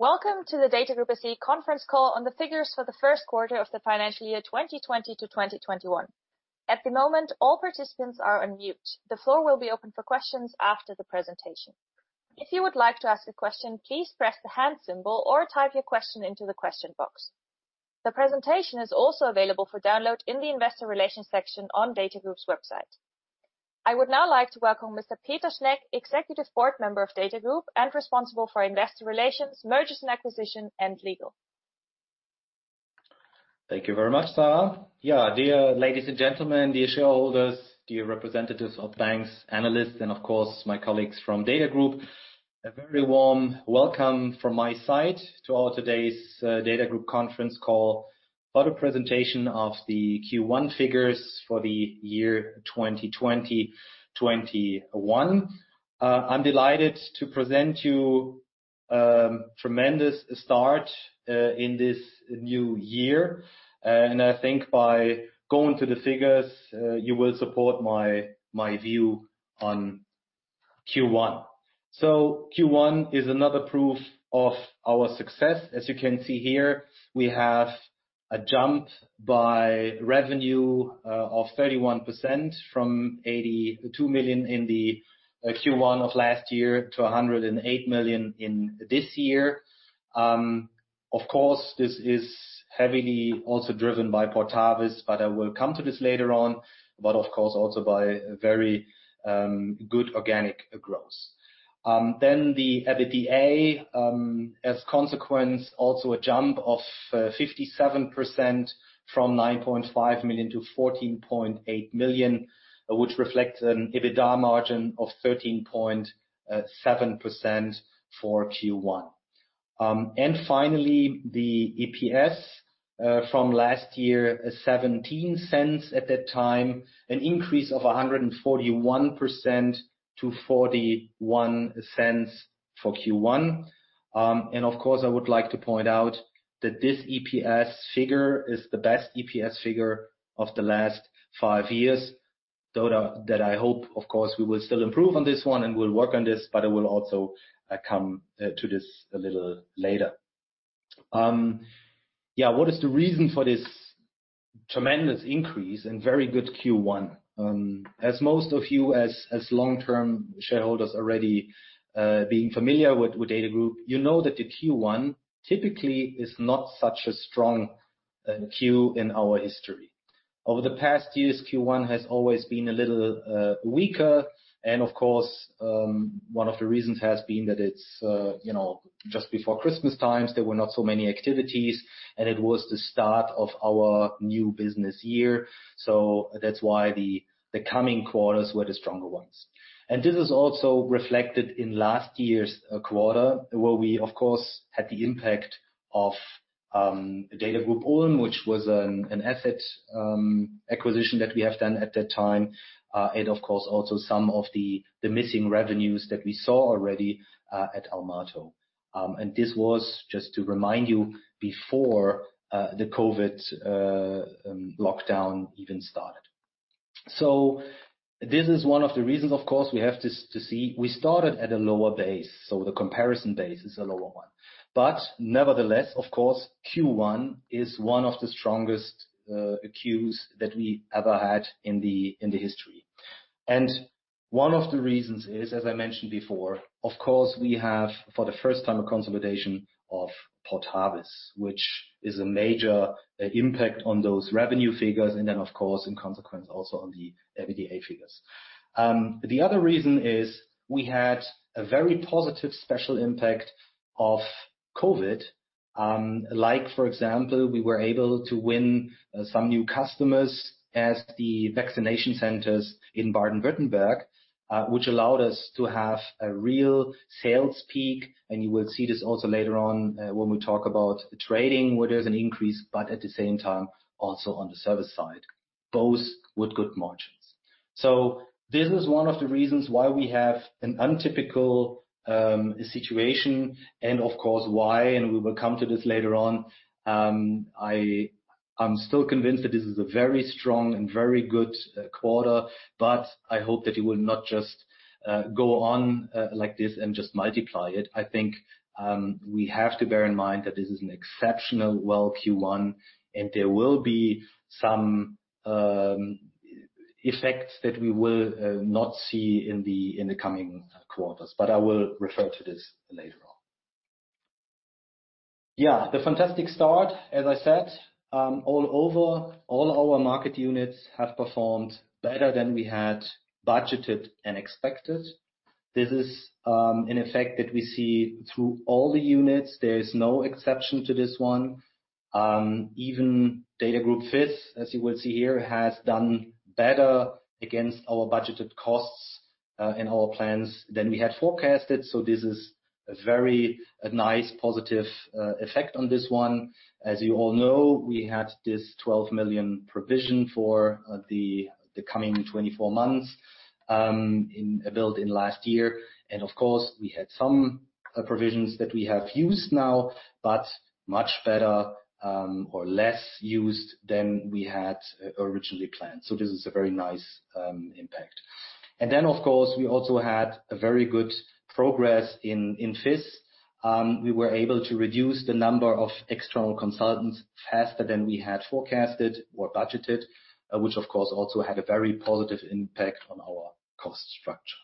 Welcome to the Datagroup SE conference call on the figures for the first quarter of the financial year, 2020 to 2021. At the moment, all participants are on mute. The floor will be open for questions after the presentation. If you would like to ask a question, please press the hand symbol or type your question into the question box. The presentation is also available for download in the Investor Relations section on Datagroup's website. I would now like to welcome Mr. Peter Schneck, Executive Board Member of Datagroup and responsible for Investor Relations, Mergers and Acquisitions, and Legal. Thank you very much, Sara. Yeah, dear ladies and gentlemen, dear shareholders, dear representatives of banks, analysts, and of course, my colleagues from Datagroup, a very warm welcome from my side to our today's Datagroup conference call for the presentation of the Q1 figures for the year 2020/2021. I'm delighted to present you tremendous start in this new year. And I think by going to the figures, you will support my view on Q1. So Q1 is another proof of our success. As you can see here, we have a jump by revenue of 31% from 82 million in the Q1 of last year to 108 million in this year. Of course, this is heavily also driven by Portavis, but I will come to this later on, but of course, also by a very good organic growth. Then the EBITDA, as a consequence, also a jump of 57% from 9.5 million to 14.8 million, which reflects an EBITDA margin of 13.7% for Q1. And finally, the EPS from last year, 0.17 at that time, an increase of 141% to 0.41 for Q1. And of course, I would like to point out that this EPS figure is the best EPS figure of the last five years, though that I hope, of course, we will still improve on this one and we'll work on this, but I will also come to this a little later. Yeah, what is the reason for this tremendous increase and very good Q1? As most of you, as long-term shareholders already being familiar with Datagroup, you know that the Q1 typically is not such a strong Q in our history. Over the past years, Q1 has always been a little weaker, and of course, one of the reasons has been that it's you know, just before Christmas times, there were not so many activities, and it was the start of our new business year. So that's why the coming quarters were the stronger ones. And this is also reflected in last year's quarter, where we, of course, had the impact of Datagroup Ulm, which was an asset acquisition that we have done at that time, and of course, also some of the missing revenues that we saw already at Almato. And this was, just to remind you, before the COVID lockdown even started. So this is one of the reasons, of course, we have to see. We started at a lower base, so the comparison base is a lower one. But nevertheless, of course, Q1 is one of the strongest Qs that we ever had in the history. And one of the reasons is, as I mentioned before, of course, we have, for the first time, a consolidation of Portavis, which is a major, impact on those revenue figures, and then of course, in consequence, also on the EBITDA figures. The other reason is we had a very positive special impact of COVID. Like, for example, we were able to win, some new customers as the vaccination centers in Baden-Württemberg, which allowed us to have a real sales peak. And you will see this also later on, when we talk about trading, where there's an increase, but at the same time, also on the service side, both with good margins. So this is one of the reasons why we have an untypical, situation, and of course, why, and we will come to this later on. I'm still convinced that this is a very strong and very good quarter, but I hope that it will not just go on like this and just multiply it. I think we have to bear in mind that this is an exceptional, well, Q1, and there will be some effects that we will not see in the coming quarters, but I will refer to this later on. Yeah, the fantastic start, as I said, all over all our market units have performed better than we had budgeted and expected. This is an effect that we see through all the units. There is no exception to this one. Even Datagroup FIS, as you will see here, has done better against our budgeted costs in our plans than we had forecasted. So this is a very, a nice positive effect on this one. As you all know, we had this 12 million provision for the coming 24 months built in last year. And of course, we had some provisions that we have used now, but much better or less used than we had originally planned. So this is a very nice impact. And then, of course, we also had a very good progress in FIS. We were able to reduce the number of external consultants faster than we had forecasted or budgeted, which of course also had a very positive impact on our cost structure.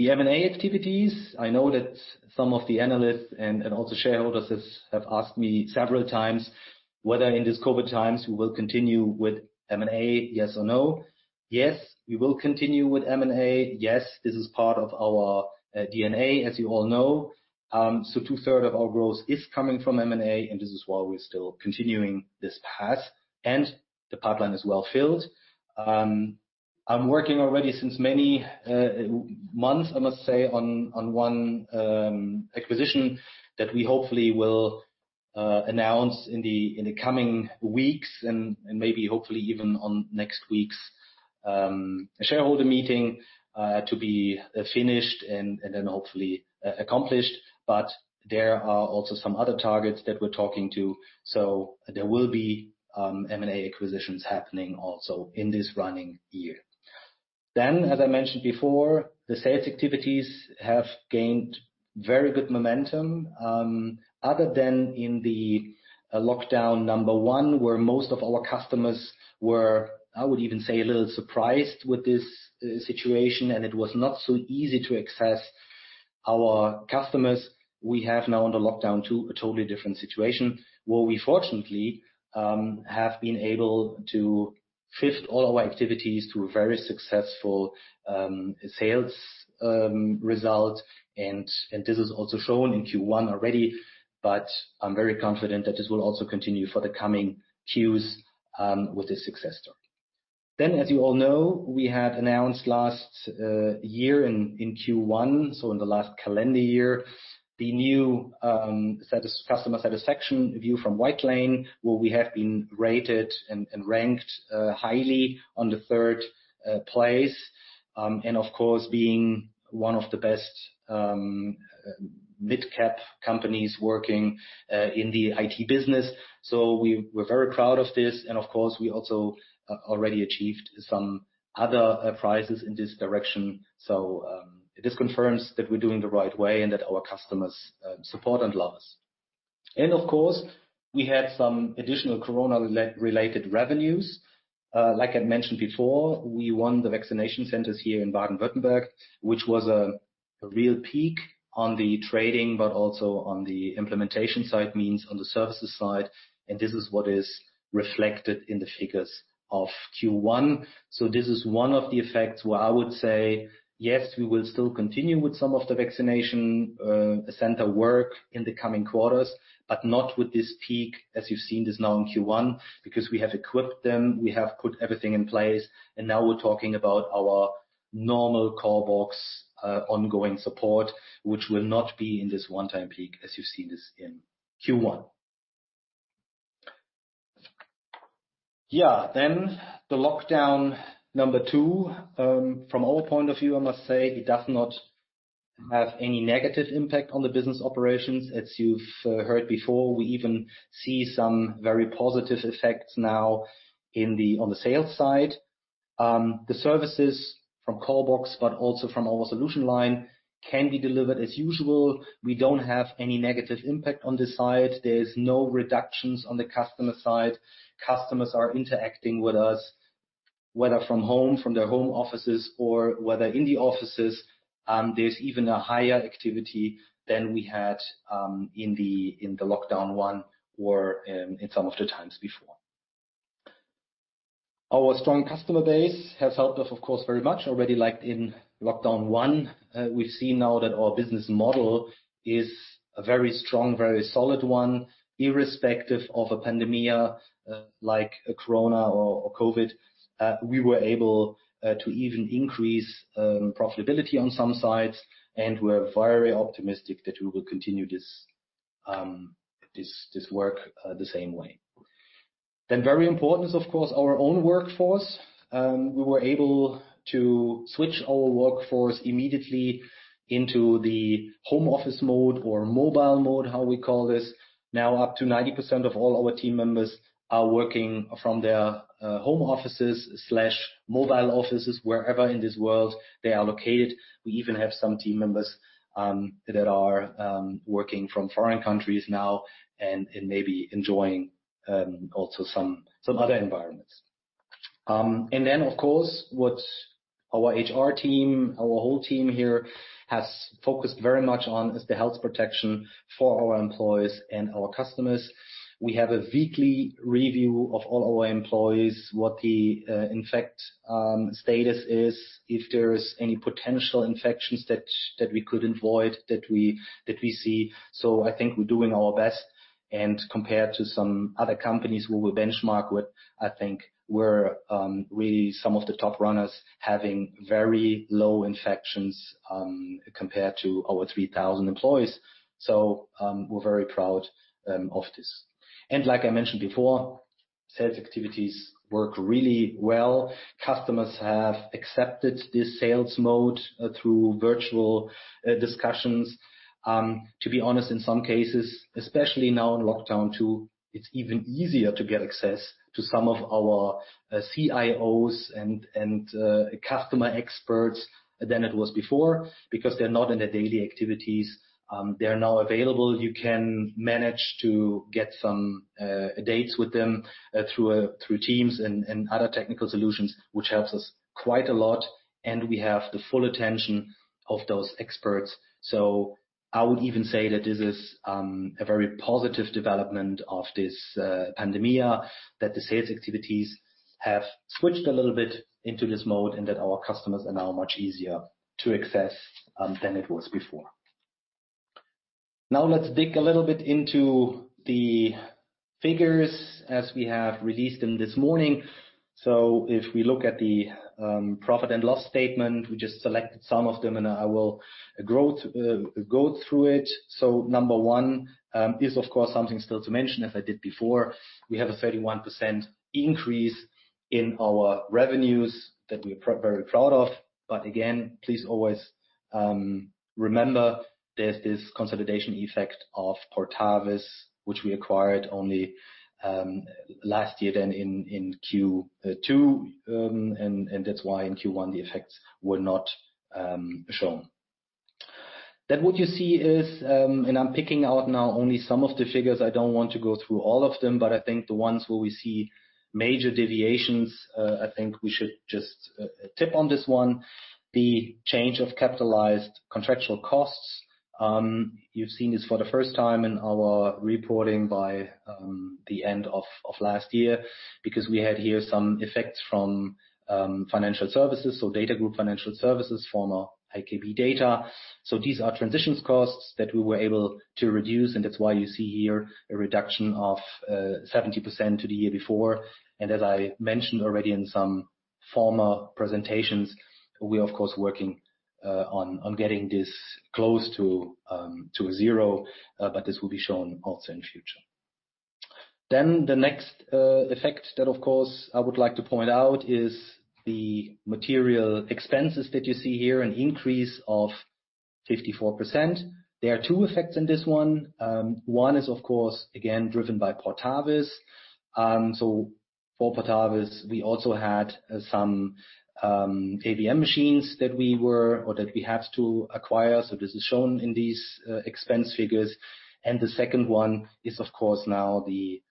The M&A activities, I know that some of the analysts and also shareholders has, have asked me several times whether in these COVID times we will continue with M&A, yes or no? Yes, we will continue with M&A. Yes, this is part of our DNA, as you all know, so two-thirds of our growth is coming from M&A, and this is why we're still continuing this path, and the pipeline is well filled. I'm working already since many months, I must say, on one acquisition that we hopefully will announce in the coming weeks, and maybe hopefully even on next week's shareholder meeting to be finished and then hopefully accomplished, but there are also some other targets that we're talking to, so there will be M&A acquisitions happening also in this running year, then as I mentioned before, the sales activities have gained very good momentum. Other than in the lockdown number one, where most of our customers were, I would even say, a little surprised with this situation, and it was not so easy to access our customers. We have now, under lockdown two, a totally different situation, where we fortunately have been able to shift all our activities to a very successful sales result. This is also shown in Q1 already, but I am very confident that this will also continue for the coming Qs with this success story. As you all know, we had announced last year in Q1, so in the last calendar year, the new customer satisfaction review from Whitelane, where we have been rated and ranked highly on the third place. And of course, being one of the best mid-cap companies working in the IT business. So we're very proud of this, and of course, we also already achieved some other prizes in this direction. So this confirms that we're doing the right way and that our customers support and love us. And of course, we had some additional corona-related revenues. Like I mentioned before, we won the vaccination centers here in Baden-Württemberg, which was a real peak on the staffing, but also on the implementation side, means on the services side, and this is what is reflected in the figures of Q1. This is one of the effects where I would say, yes, we will still continue with some of the vaccination center work in the coming quarters, but not with this peak, as you've seen this now in Q1, because we have equipped them, we have put everything in place, and now we're talking about our normal CORBOX ongoing support, which will not be in this one-time peak, as you've seen this in Q1. Yeah, the lockdown number two from our point of view, I must say, it does not have any negative impact on the business operations. As you've heard before, we even see some very positive effects now on the sales side. The services from CORBOX, but also from our solution line, can be delivered as usual. We don't have any negative impact on this side. There's no reductions on the customer side. Customers are interacting with us, whether from home, from their home offices, or whether in the offices, there's even a higher activity than we had in the lockdown one or in some of the times before. Our strong customer base has helped us, of course, very much already, like in lockdown one. We've seen now that our business model is a very strong, very solid one, irrespective of a pandemic, like a corona or COVID. We were able to even increase profitability on some sides, and we're very optimistic that we will continue this work the same way. Then very important is, of course, our own workforce. We were able to switch our workforce immediately into the home office mode or mobile mode, how we call this. Now, up to 90% of all our team members are working from their home offices/mobile offices, wherever in this world they are located. We even have some team members that are working from foreign countries now and maybe enjoying also some other environments. Then, of course, what our HR team, our whole team here, has focused very much on is the health protection for our employees and our customers. We have a weekly review of all our employees, what the infection status is, if there is any potential infections that we could avoid that we see. So I think we're doing our best, and compared to some other companies who we benchmark with, I think we're some of the top runners having very low infections compared to our 3,000 employees. We're very proud of this. Like I mentioned before, sales activities work really well. Customers have accepted this sales mode through virtual discussions. To be honest, in some cases, especially now in lockdown two, it's even easier to get access to some of our CIOs and customer experts than it was before, because they're not in their daily activities. They are now available. You can manage to get some dates with them through Teams and other technical solutions, which helps us quite a lot, and we have the full attention of those experts. So I would even say that this is a very positive development of this pandemic, that the sales activities have switched a little bit into this mode, and that our customers are now much easier to access than it was before. Now, let's dig a little bit into the figures as we have released them this morning. So if we look at the profit and loss statement, we just selected some of them, and I will go through it. So number one is, of course, something still to mention, as I did before. We have a 31% increase in our revenues that we're very proud of. But again, please always remember, there's this consolidation effect of Portavis, which we acquired only last year then in Q2. And, and that's why in Q1, the effects were not shown. Then what you see is, and I'm picking out now only some of the figures. I don't want to go through all of them, but I think the ones where we see major deviations, I think we should just tip on this one, the change of capitalized contractual costs. You've seen this for the first time in our reporting by the end of last year, because we had here some effects from financial services, so Datagroup Financial Services, former IKB Data. So these are transitions costs that we were able to reduce, and that's why you see here a reduction of 70% to the year before. As I mentioned already in some former presentations, we are, of course, working on getting this close to a zero, but this will be shown also in future. Then the next effect that, of course, I would like to point out is the material expenses that you see here, an increase of 54%. There are two effects in this one. One is, of course, again, driven by Portavis. So for Portavis, we also had some ATM machines that we were or that we had to acquire, so this is shown in these expense figures. The second one is, of course, now the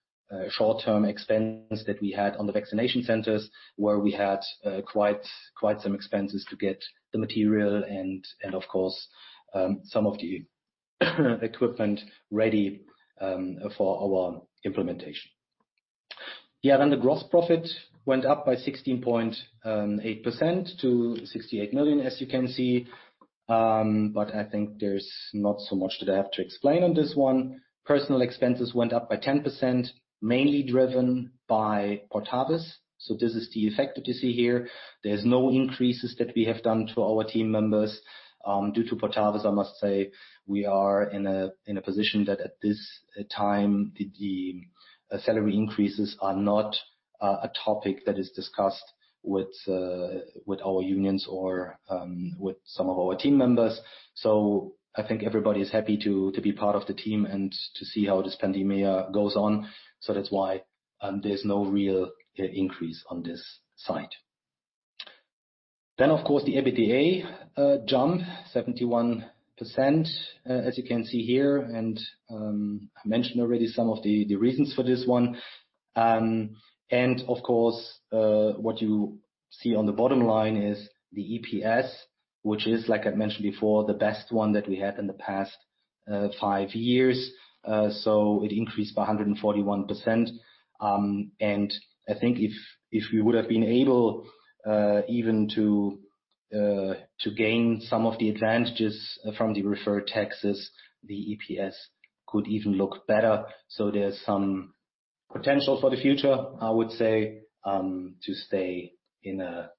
short-term expense that we had on the vaccination centers, where we had quite some expenses to get the material and, of course, some of the equipment ready for our implementation. Yeah, then the gross profit went up by 16.8% to 68 million, as you can see. I think there's not so much that I have to explain on this one. Personal expenses went up by 10%, mainly driven by Portavis, so this is the effect that you see here. There's no increases that we have done to our team members. Due to Portavis, I must say, we are in a position that at this time, the salary increases are not a topic that is discussed with our unions or with some of our team members. So I think everybody is happy to be part of the team and to see how this pandemic goes on. So that's why, there's no real increase on this side. Then, of course, the EBITDA jump 71%, as you can see here, and I mentioned already some of the reasons for this one. And of course, what you see on the bottom line is the EPS, which is, like I mentioned before, the best one that we had in the past five years. So it increased by 141%. And I think if we would have been able even to gain some of the advantages from the referred taxes, the EPS could even look better. So there's some potential for the future, I would say, to stay in a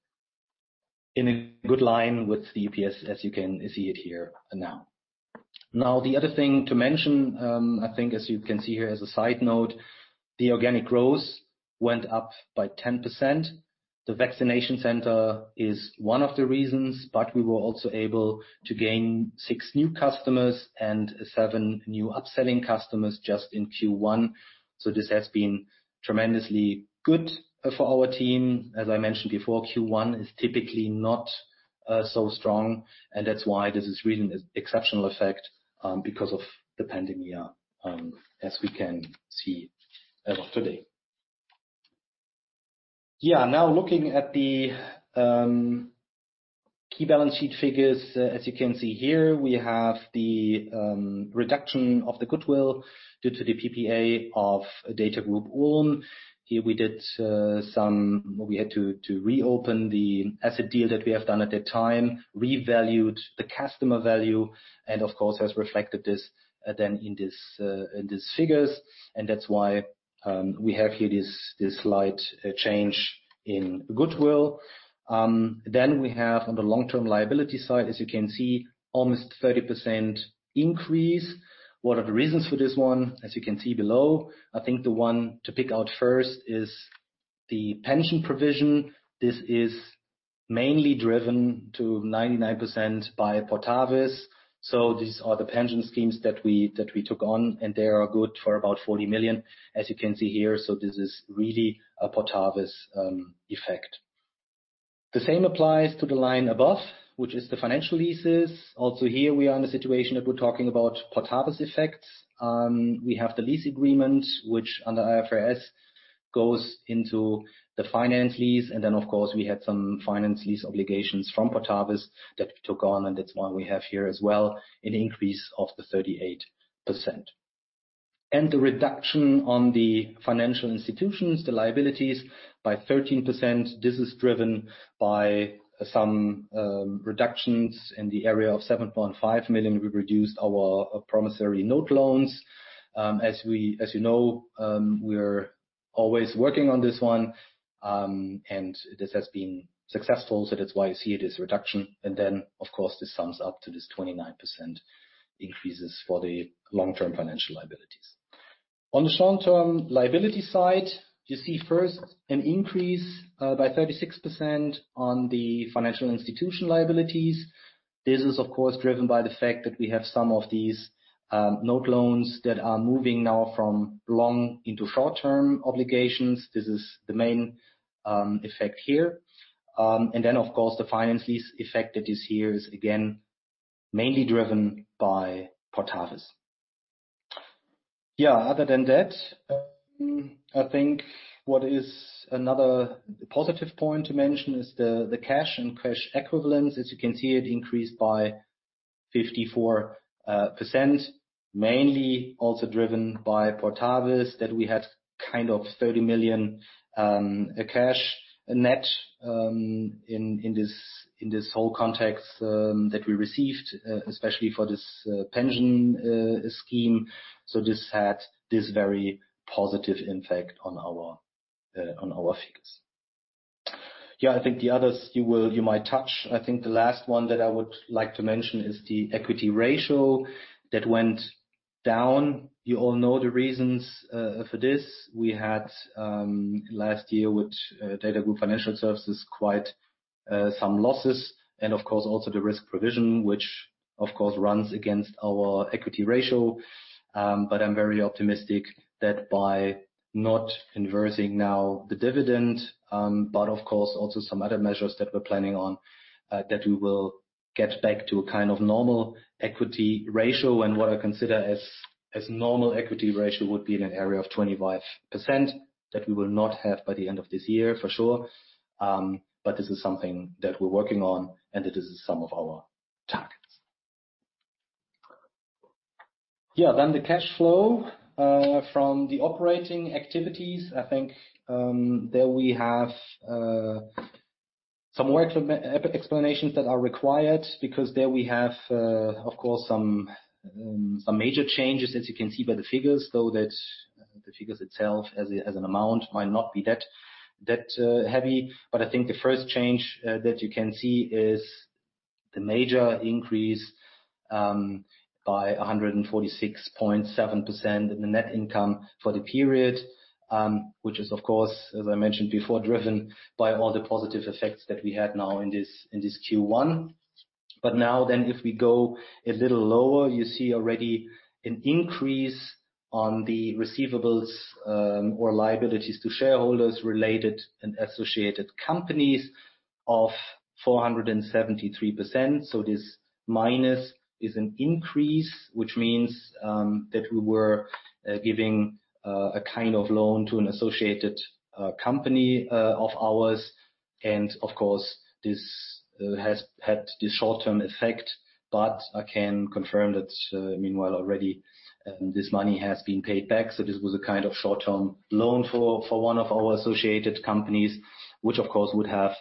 good line with the EPS, as you can see it here now. Now, the other thing to mention, I think, as you can see here as a side note, the organic growth went up by 10%. The vaccination center is one of the reasons, but we were also able to gain six new customers and seven new upselling customers just in Q1. So this has been tremendously good for our team. As I mentioned before, Q1 is typically not so strong, and that's why this is really an exceptional effect, because of the pandemic, as we can see today. Yeah, now looking at the key balance sheet figures, as you can see here, we have the reduction of the goodwill due to the PPA of Datagroup Ulm. Here we had to reopen the asset deal that we have done at that time, revalued the customer value, and of course has reflected this then in these figures. And that's why we have here this slight change in goodwill. Then we have on the long-term liability side, as you can see, almost 30% increase. What are the reasons for this one? As you can see below, I think the one to pick out first is the pension provision. This is mainly driven to 99% by Portavis. These are the pension schemes that we took on, and they are good for about 40 million, as you can see here. This is really a Portavis effect. The same applies to the line above, which is the financial leases. Also, here we are in a situation that we're talking about Portavis effects. We have the lease agreement, which under IFRS goes into the finance lease, and then, of course, we had some finance lease obligations from Portavis that we took on, and that's why we have here as well an increase of the 38%. And the reduction on the financial institutions, the liabilities, by 13%, this is driven by some reductions in the area of 7.5 million. We reduced our promissory note loans. As you know, we're always working on this one, and this has been successful, so that is why you see this reduction. And then, of course, this sums up to this 29% increases for the long-term financial liabilities. On the short-term liability side, you see first an increase by 36% on the financial institution liabilities. This is, of course, driven by the fact that we have some of these note loans that are moving now from long into short-term obligations. This is the main effect here. And then, of course, the finance lease effect that is here is, again, mainly driven by Portavis. Yeah, other than that, I think what is another positive point to mention is the cash and cash equivalents. As you can see, it increased by 54%, mainly also driven by Portavis, that we had kind of 30 million cash net in this whole context that we received especially for this pension scheme. So this had this very positive impact on our figures. Yeah, I think the others, you might touch. I think the last one that I would like to mention is the equity ratio that went down. You all know the reasons for this. We had last year which Datagroup Financial Services quite some losses, and of course, also the risk provision, which, of course, runs against our equity ratio. But I'm very optimistic that by not inverting now the dividend, but of course, also some other measures that we're planning on, that we will get back to a kind of normal equity ratio. And what I consider as normal equity ratio would be in an area of 25%, that we will not have by the end of this year, for sure. But this is something that we're working on, and it is some of our targets. Yeah, then the cash flow from the operating activities, I think, there we have some more explanations that are required, because there we have, of course, some major changes, as you can see by the figures, though, that the figures itself, as an amount, might not be that heavy. But I think the first change that you can see is the major increase by 146.7% in the net income for the period, which is, of course, as I mentioned before, driven by all the positive effects that we had now in this Q1. But now, then, if we go a little lower, you see already an increase on the receivables or liabilities to shareholders related and associated companies of 473%. So this minus is an increase, which means that we were giving a kind of loan to an associated company of ours. And of course, this has had this short-term effect, but I can confirm that meanwhile already this money has been paid back. So this was a kind of short-term loan for one of our associated companies, which, of course, would have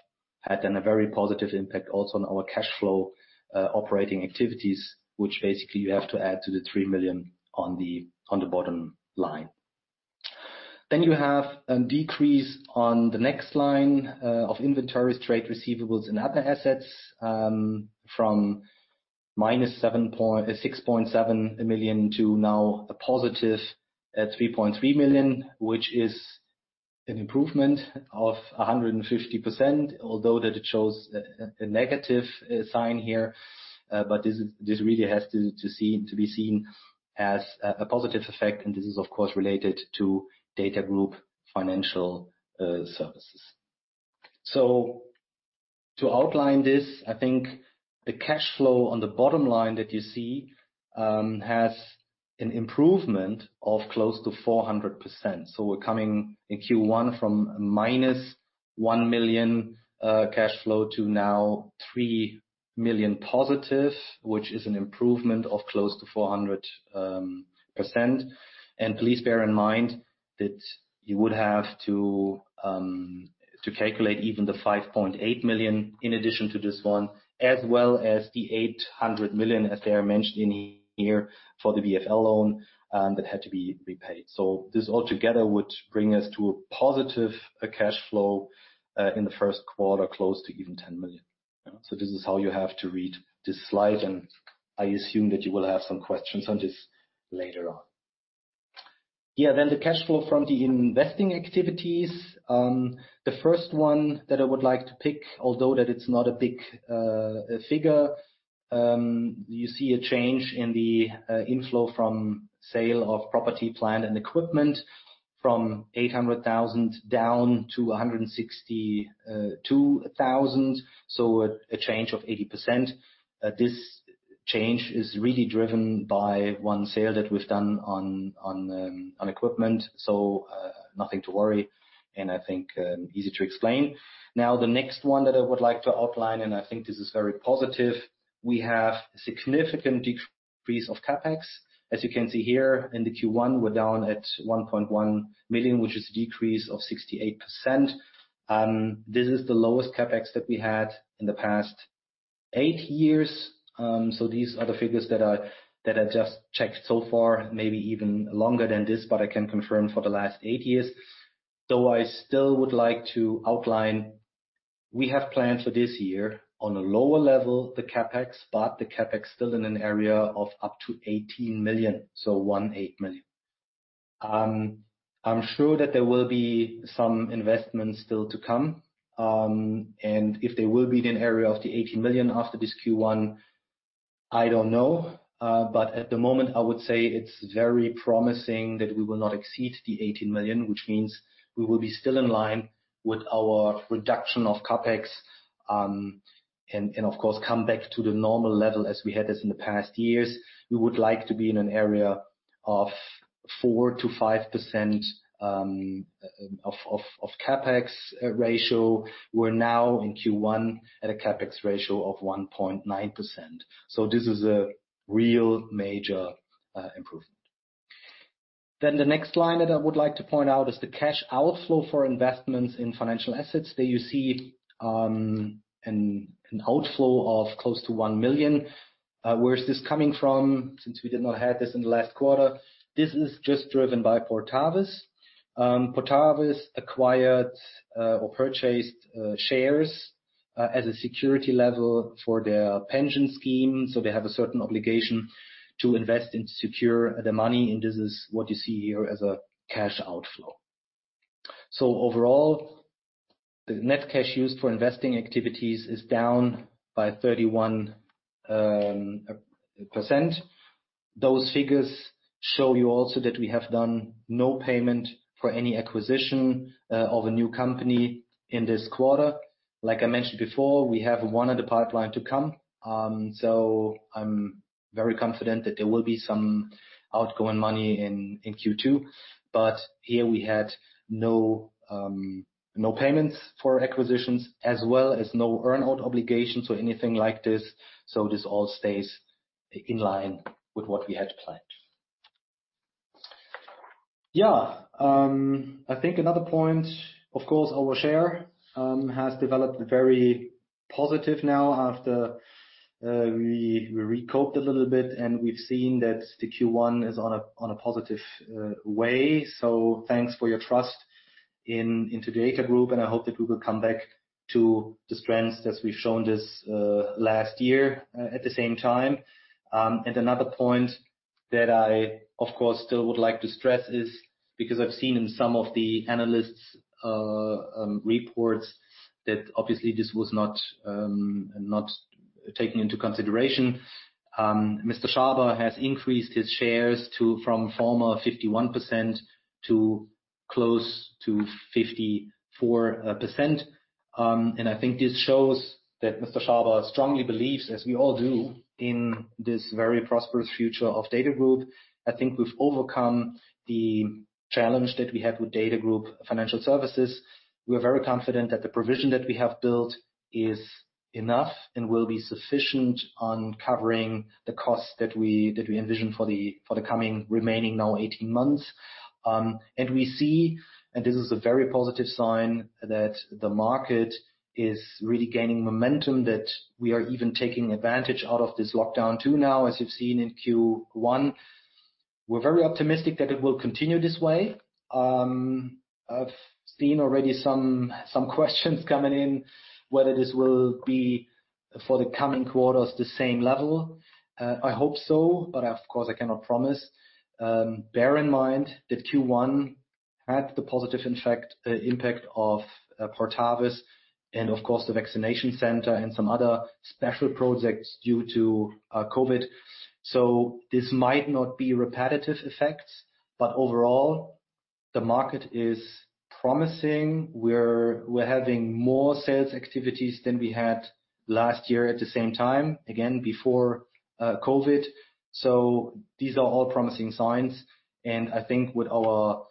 had a very positive impact also on our cash flow operating activities, which basically you have to add to the 3 million on the bottom line. Then you have a decrease on the next line of inventories, trade receivables, and other assets from minus 6.7 million to now a positive 3.3 million, which is an improvement of 150%, although that it shows a negative sign here. But this really has to be seen as a positive effect, and this is, of course, related to Datagroup Financial Services. So to outline this, I think the cash flow on the bottom line that you see has an improvement of close to 400%. So we're coming in Q1 from -1 million cash flow to now 3 million+, which is an improvement of close to 400%. And please bear in mind that you would have to calculate even the 5.8 million in addition to this one, as well as the 800 million, as they are mentioning here, for the VfB loan that had to be repaid. So this altogether would bring us to a positive cash flow in the first quarter, close to even 10 million. So this is how you have to read this slide, and I assume that you will have some questions on this later on. Yeah, then the cash flow from the investing activities. The first one that I would like to pick, although that it's not a big figure, you see a change in the inflow from sale of property, plant, and equipment, from 800,000 down to 162,000, so a change of 80%. This change is really driven by one sale that we've done on equipment. So, nothing to worry, and I think easy to explain. Now, the next one that I would like to outline, and I think this is very positive, we have significant decrease of CapEx. As you can see here in the Q1, we're down at 1.1 million, which is a decrease of 68%. This is the lowest CapEx that we had in the past eight years. So these are the figures that I just checked so far, maybe even longer than this, but I can confirm for the last eight years. Though I still would like to outline, we have planned for this year on a lower level, the CapEx, but the CapEx still in an area of up to 18 million, so 18 million. I'm sure that there will be some investments still to come, and if they will be in the area of the 18 million after this Q1, I don't know. But at the moment, I would say it's very promising that we will not exceed the 18 million, which means we will be still in line with our reduction of CapEx, and of course, come back to the normal level as we had this in the past years. We would like to be in an area of 4%-5% of CapEx ratio. We're now in Q1 at a CapEx ratio of 1.9%. So this is a real major improvement. Then the next line that I would like to point out is the cash outflow for investments in financial assets. There you see, an outflow of close to 1 million. Where is this coming from, since we did not have this in the last quarter? This is just driven by Portavis. Portavis acquired or purchased shares as a security level for their pension scheme, so they have a certain obligation to invest and secure the money, and this is what you see here as a cash outflow, so overall, the net cash used for investing activities is down by 31%. Those figures show you also that we have done no payment for any acquisition of a new company in this quarter. Like I mentioned before, we have one in the pipeline to come, so I'm very confident that there will be some outgoing money in Q2, but here we had no payments for acquisitions, as well as no earn-out obligations or anything like this, so this all stays in line with what we had planned. Yeah, I think another point, of course, our share has developed very positive now after we recouped a little bit, and we've seen that the Q1 is on a positive way. So thanks for your trust in Datagroup, and I hope that we will come back to the strengths as we've shown this last year at the same time. And another point that I, of course, still would like to stress is, because I've seen in some of the analysts' reports, that obviously this was not taken into consideration. Mr. Schaber has increased his shares from former 51% to close to 54%. And I think this shows that Mr. Schaber strongly believes, as we all do, in this very prosperous future of Datagroup. I think we've overcome the challenge that we had with Datagroup Financial Services. We're very confident that the provision that we have built is enough and will be sufficient on covering the costs that we envision for the coming remaining now eighteen months. And we see, and this is a very positive sign, that the market is really gaining momentum, that we are even taking advantage out of this lockdown, too, now, as you've seen in Q1. We're very optimistic that it will continue this way. I've seen already some questions coming in, whether this will be for the coming quarters, the same level. I hope so, but of course, I cannot promise. Bear in mind that Q1 had the positive impact of Portavis and, of course, the vaccination center and some other special projects due to COVID, so this might not be repetitive effects, but overall, the market is promising. We're having more sales activities than we had last year at the same time, again, before COVID. These are all promising signs, and I think with our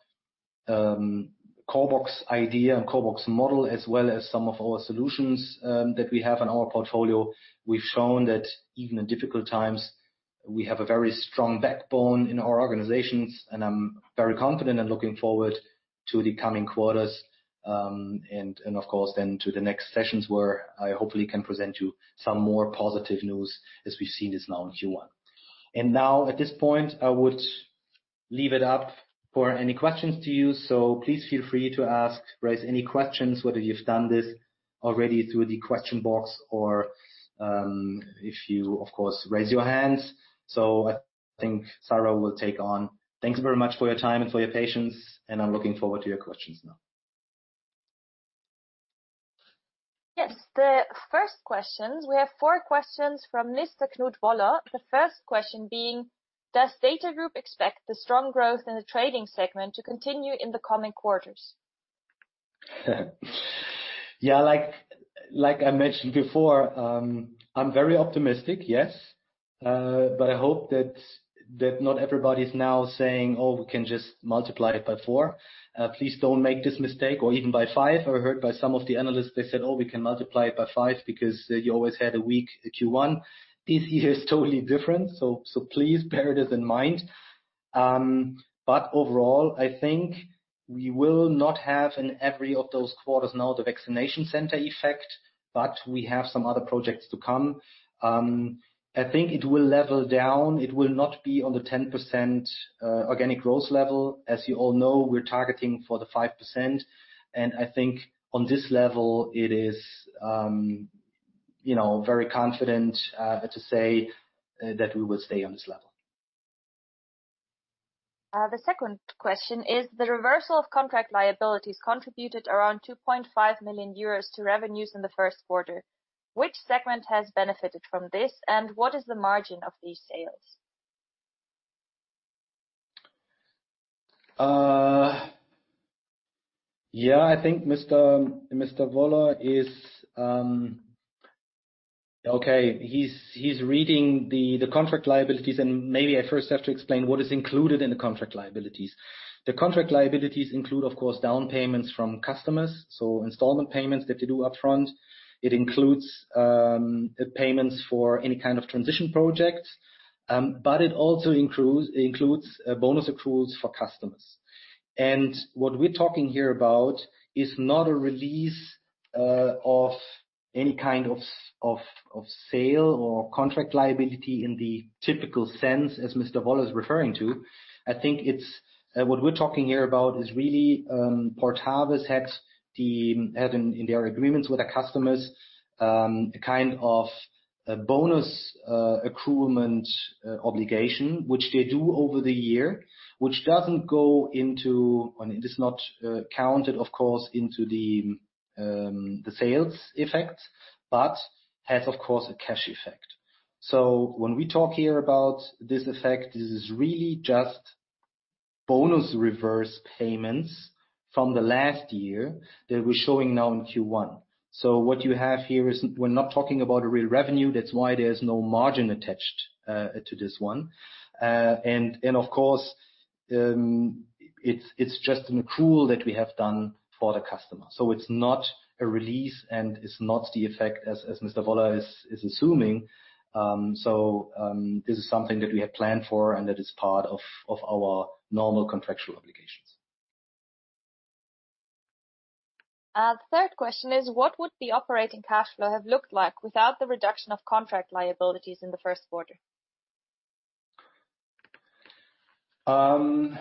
CORBOX idea and CORBOX model, as well as some of our solutions that we have in our portfolio, we've shown that even in difficult times, we have a very strong backbone in our organizations. I am very confident and looking forward to the coming quarters, and, of course, then to the next sessions, where I hopefully can present you some more positive news, as we've seen this now in Q1. Now, at this point, I would leave it up for any questions to you. Please feel free to ask, raise any questions, whether you've done this already through the question box or, if you, of course, raise your hands. I think Sara will take on. Thanks very much for your time and for your patience, and I'm looking forward to your questions now. Yes, the first questions, we have four questions from Mr. Knut Woller. The first question being: Does Datagroup expect the strong growth in the trading segment to continue in the coming quarters? Yeah, like, like I mentioned before, I'm very optimistic, yes. But I hope that not everybody is now saying, "Oh, we can just multiply it by four." Please don't make this mistake, or even by five. I heard by some of the analysts, they said, "Oh, we can multiply it by five because, you always had a weak Q1." This year is totally different, so please bear this in mind. But overall, I think we will not have in every of those quarters now the vaccination center effect, but we have some other projects to come. I think it will level down. It will not be on the 10%, organic growth level. As you all know, we're targeting for the 5%, and I think on this level, it is, you know, very confident to say that we will stay on this level. The second question is: The reversal of contract liabilities contributed around 2.5 million euros to revenues in the first quarter. Which segment has benefited from this, and what is the margin of these sales? Yeah, I think Mr. Woller is. Okay, he's reading the contract liabilities, and maybe I first have to explain what is included in the contract liabilities. The contract liabilities include, of course, down payments from customers, so installment payments that they do upfront. It includes payments for any kind of transition projects, but it also includes bonus accruals for customers. What we're talking about here is not a release of any kind of sale or contract liability in the typical sense, as Mr. Woller is referring to. I think it's what we're talking about here is really Portavis had in their agreements with the customers a kind of bonus accrual obligation, which they do over the year, which doesn't go into. I mean, it is not counted, of course, into the sales effect, but has, of course, a cash effect. So when we talk here about this effect, this is really just bonus reverse payments from the last year that we're showing now in Q1. So what you have here is, we're not talking about a real revenue, that's why there's no margin attached to this one. And of course, it's just an accrual that we have done for the customer. So it's not a release, and it's not the effect as Mr. Woller is assuming. So this is something that we had planned for and that is part of our normal contractual obligations. Third question is: What would the operating cash flow have looked like without the reduction of contract liabilities in the first quarter? Don't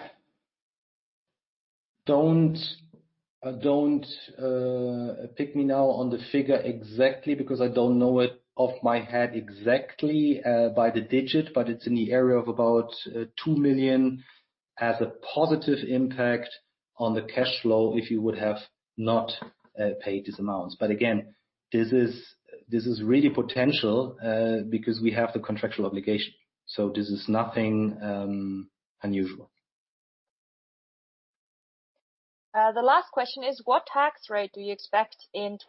pick me now on the figure exactly, because I don't know it off my head exactly, by the digit, but it's in the area of about two million, as a positive impact on the cash flow, if you would have not paid this amount. But again, this is, this is really potential, because we have the contractual obligation, so this is nothing unusual. The last question is: What tax rate do you expect in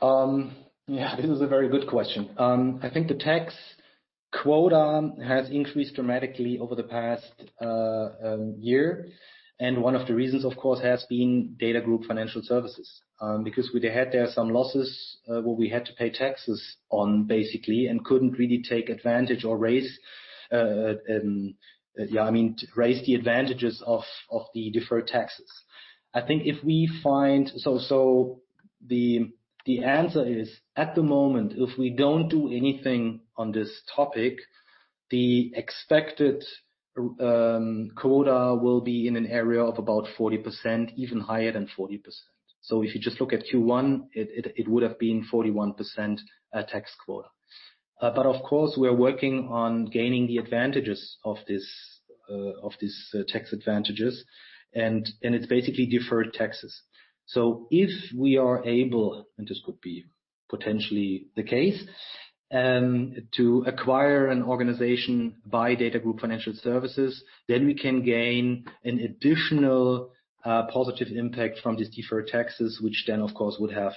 2020-2021? Yeah, this is a very good question. I think the tax quota has increased dramatically over the past year. And one of the reasons, of course, has been Datagroup Financial Services, because we had there some losses, where we had to pay taxes on basically and couldn't really take advantage or raise, yeah, I mean, raise the advantages of the deferred taxes. I think if we find. So the answer is, at the moment, if we don't do anything on this topic, the expected quota will be in an area of about 40%, even higher than 40%. So if you just look at Q1, it would have been 41% tax quota. But of course, we are working on gaining the advantages of this tax advantages, and it's basically deferred taxes. So if we are able, and this could be potentially the case, to acquire an organization by Datagroup Financial Services, then we can gain an additional positive impact from these deferred taxes, which then, of course, would have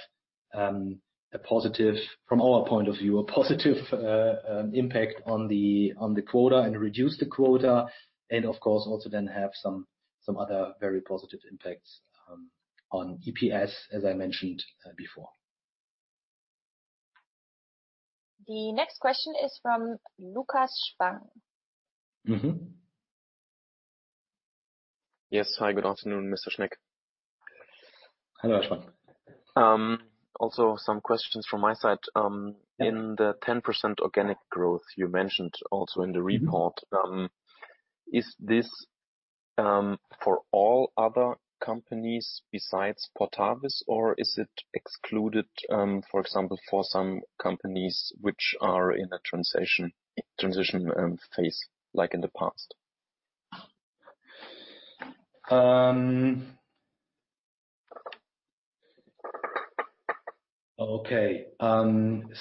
a positive, from our point of view, impact on the quota and reduce the quota, and of course, also then have some other very positive impacts on EPS, as I mentioned before. The next question is from Lukas Spang. Mm-hmm. Yes. Hi, good afternoon, Mr. Schneck. Hello, Spang. Also some questions from my side. In the 10% organic growth you mentioned also in the report, is this for all other companies besides Portavis, or is it excluded, for example, for some companies which are in a transition phase, like in the past? Okay.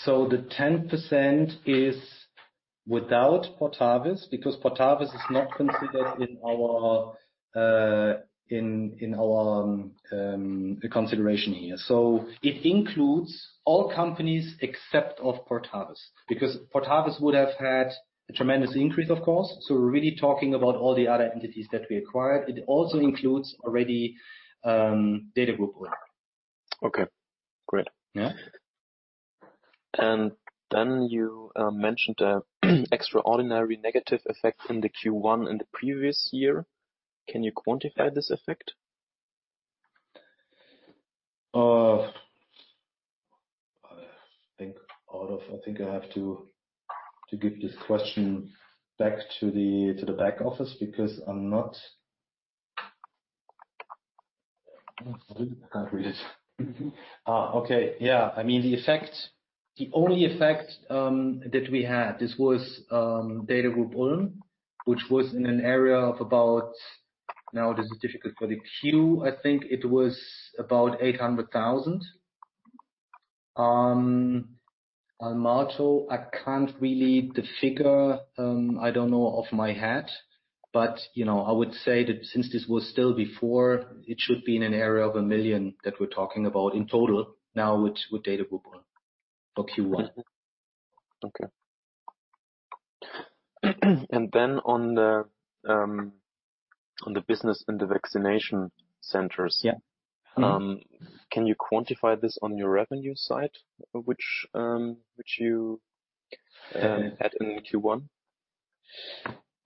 So the 10% is without Portavis, because Portavis is not considered in our consideration here. So it includes all companies except of Portavis, because Portavis would have had a tremendous increase, of course. So we're really talking about all the other entities that we acquired. It also includes already Datagroup Ulm. Okay, great. Yeah. And then you mentioned a extraordinary negative effect in the Q1 in the previous year. Can you quantify this effect? I think I have to give this question back to the back office, because I'm not... I can't read it. Yeah, I mean, the effect, the only effect that we had, this was Datagroup Ulm, which was in an area of about, now this is difficult for the Q. I think it was about 800,000. Almato, I can't really, the figure, I don't know off my head, but, you know, I would say that since this was still before, it should be in an area of 1 million that we're talking about in total now with Datagroup Ulm for Q1. Okay. And then on the business and the vaccination centers- Yeah. Can you quantify this on your revenue side, which you had in Q1?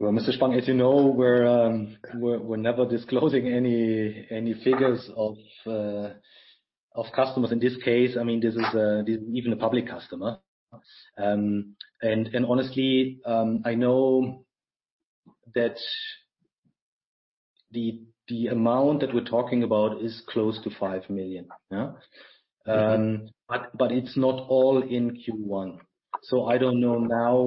Mr. Spang, as you know, we're never disclosing any figures of customers. In this case, I mean, this is even a public customer. Honestly, I know that the amount that we're talking about is close to 5 million, yeah? It's not all in Q1. I don't know now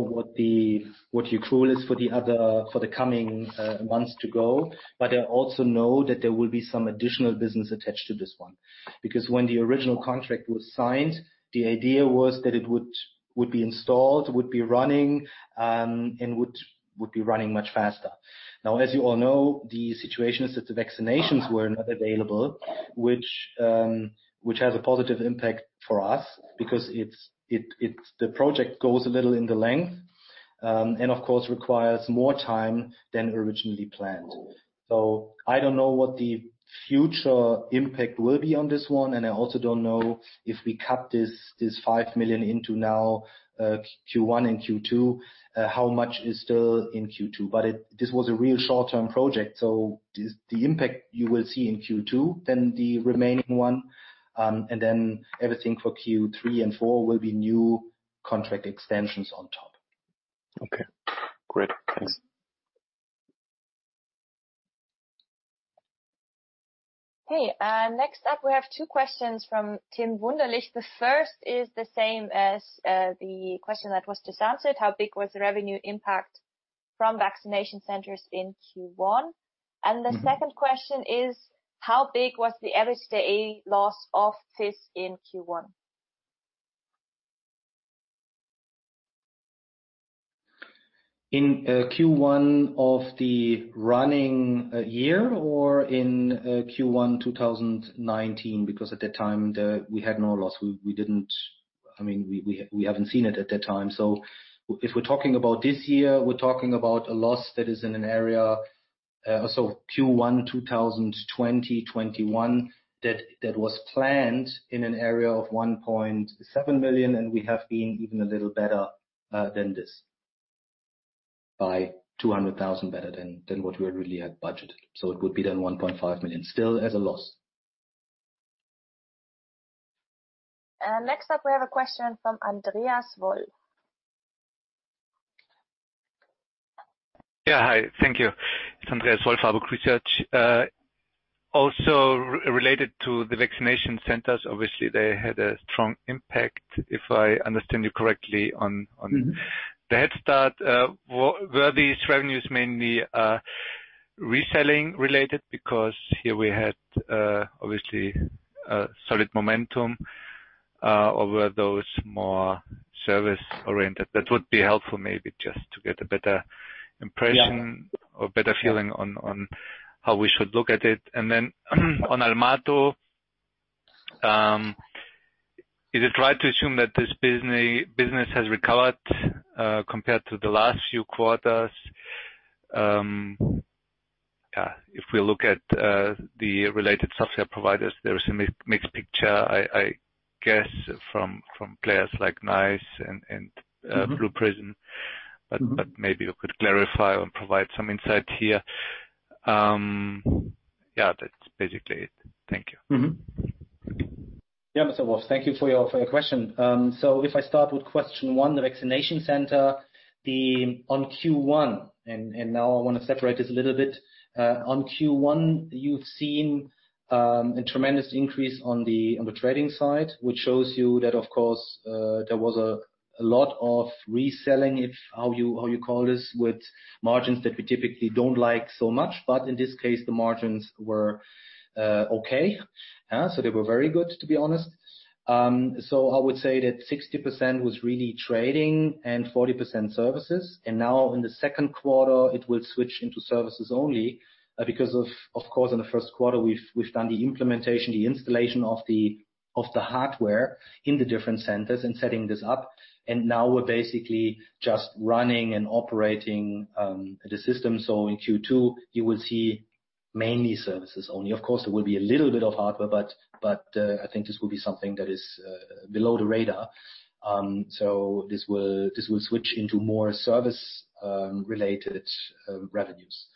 what you call this for the other for the coming months to go. I also know that there will be some additional business attached to this one, because when the original contract was signed, the idea was that it would be installed, would be running, and would be running much faster. Now, as you all know, the situation is that the vaccinations were not available, which has a positive impact for us because it's the project goes a little in the length, and of course, requires more time than originally planned. So I don't know what the future impact will be on this one, and I also don't know if we cut this 5 million into now Q1 and Q2, how much is still in Q2. But this was a real short-term project, so the impact you will see in Q2, then the remaining one, and then everything for Q3 and Q4 will be new contract extensions on top. Okay, great. Thanks. Hey, next up, we have two questions from Tim Wunderlich. The first is the same as the question that was just answered: How big was the revenue impact from vaccination centers in Q1? And the second question is: How big was the average day loss of this in Q1? In Q1 of the running year or in Q1 two thousand nineteen? Because at that time, we had no loss. We didn't, I mean, we haven't seen it at that time. So if we're talking about this year, we're talking about a loss that is in an area, so Q1 two thousand twenty twenty one, that was planned in an area of 1.7 million, and we have been even a little better than this, by 200,000 better than what we had really had budgeted. So it would be then 1.5 million, still as a loss. Next up, we have a question from Andreas Wolf. Yeah, hi. Thank you. It's Andreas Wolf, Warburg Research. Also related to the vaccination centers, obviously, they had a strong impact, if I understand you correctly, on, on- Mm-hmm. The head start. Were these revenues mainly reselling related? Because here we had obviously a solid momentum, or were those more service-oriented? That would be helpful, maybe just to get a better impression. Yeah. Or better feeling on how we should look at it. And then on Almato, is it right to assume that this business has recovered compared to the last few quarters? If we look at the related software providers, there is a mixed picture, I guess, from players like NICE and Blue Prism. But maybe you could clarify or provide some insight here. Yeah, that's basically it. Thank you. Mm-hmm. Yeah, Mr. Wolf, thank you for your question. So if I start with question one, the vaccination center on Q1, and now I want to separate this a little bit. On Q1, you've seen a tremendous increase on the trading side, which shows you that, of course, there was a lot of reselling, how you call this, with margins that we typically don't like so much. But in this case, the margins were okay. So they were very good, to be honest. So I would say that 60% was really trading and 40% services. Now in the second quarter, it will switch into services only because of course in the first quarter, we've done the implementation, the installation of the hardware in the different centers and setting this up. Now we're basically just running and operating the system. So in Q2, you will see mainly services only. Of course, there will be a little bit of hardware, but I think this will be something that is below the radar. So this will switch into more service related revenues.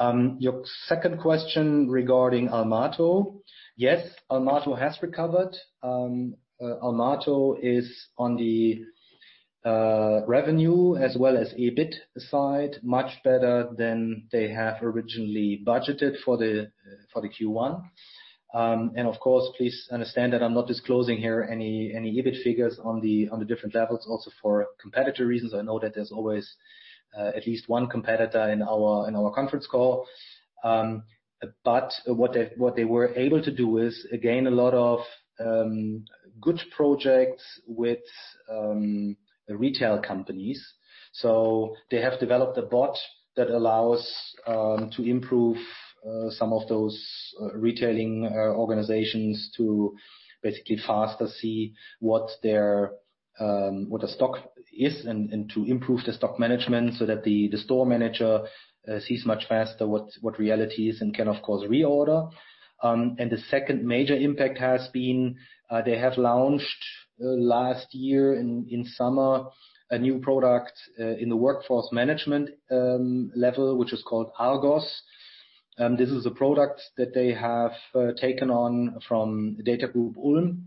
Your second question regarding Almato. Yes, Almato has recovered. Almato is on the revenue, as well as EBIT side, much better than they have originally budgeted for the Q1. And of course, please understand that I'm not disclosing here any EBIT figures on the different levels, also for competitor reasons. I know that there's always at least one competitor in our conference call. But what they were able to do is, again, a lot of good projects with the retail companies. So they have developed a bot that allows to improve some of those retailing organizations to basically faster see what the stock is, and to improve the stock management, so that the store manager sees much faster what reality is, and can, of course, reorder. And the second major impact has been, they have launched, last year in summer, a new product, in the workforce management level, which is called ARGOS. This is a product that they have taken on from Datagroup Ulm.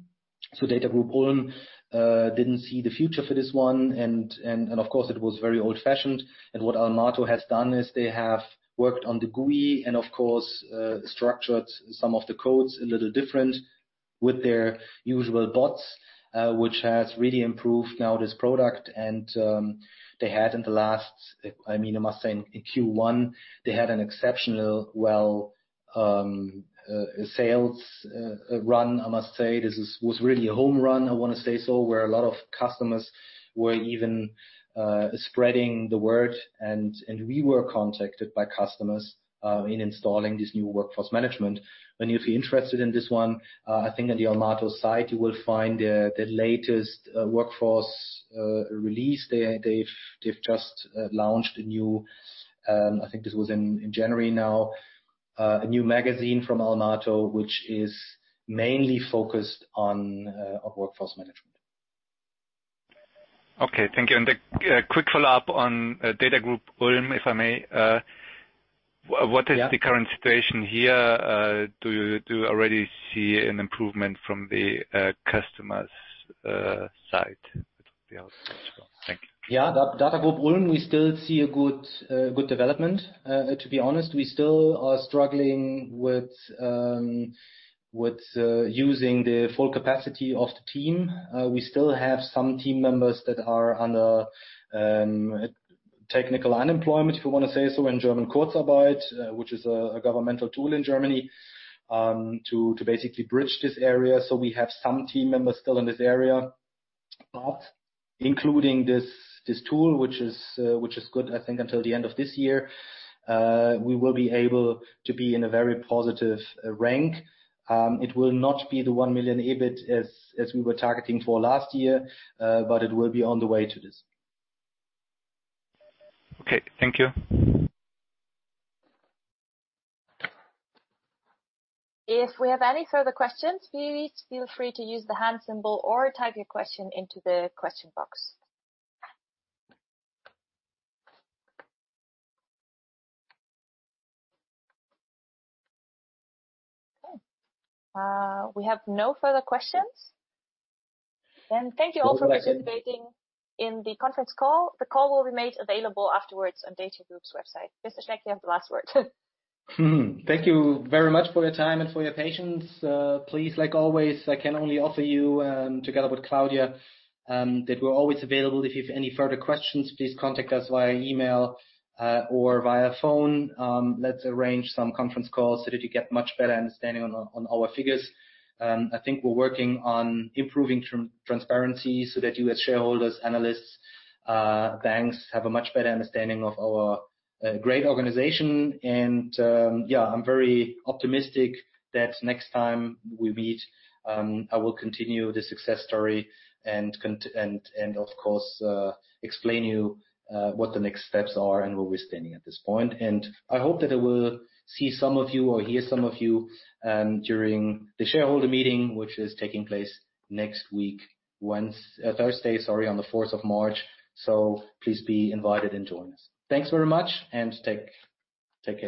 So Datagroup Ulm didn't see the future for this one, and of course it was very old-fashioned. And what Almato has done is they have worked on the GUI, and of course structured some of the codes a little different with their usual bots, which has really improved now this product. And they had in the last, I mean, I must say, in Q1, they had an exceptional, well, sales run, I must say. This was really a home run, I wanna say so, where a lot of customers were even spreading the word, and we were contacted by customers in installing this new workforce management. And if you're interested in this one, I think on the Almato site, you will find the latest workforce release. They've just launched a new, I think this was in January now, a new magazine from Almato, which is mainly focused on workforce management. Okay, thank you. And a quick follow-up on Datagroup Ulm, if I may, what is- Yeah. The current situation here? Do you already see an improvement from the customers' side? That would be helpful. Thank you. Yeah, Datagroup Ulm, we still see a good development. To be honest, we still are struggling with using the full capacity of the team. We still have some team members that are under technical unemployment, if you wanna say so, in German Kurzarbeit, which is a governmental tool in Germany to basically bridge this area. So we have some team members still in this area. But including this tool, which is good, I think until the end of this year, we will be able to be in a very positive rank. It will not be the one million EBIT as we were targeting for last year, but it will be on the way to this. Okay, thank you. If we have any further questions, please feel free to use the hand symbol or type your question into the question box. Okay, we have no further questions. And thank you all for participating in the conference call. The call will be made available afterwards on Datagroup's website. Mr. Schneck, you have the last word. Thank you very much for your time and for your patience. Please, like always, I can only offer you, together with Claudia, that we're always available. If you have any further questions, please contact us via email, or via phone. Let's arrange some conference calls so that you get much better understanding on our figures. I think we're working on improving transparency, so that you as shareholders, analysts, banks, have a much better understanding of our great organization. Yeah, I'm very optimistic that next time we meet, I will continue the success story and, of course, explain you what the next steps are and where we're standing at this point. And I hope that I will see some of you or hear some of you, during the shareholder meeting, which is taking place next week, Wednesday, Thursday, sorry, on the fourth of March. So please be invited and join us. Thanks very much and take care.